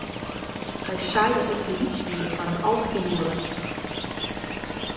Hy sei dat ik te lyts wie foar in altfioele.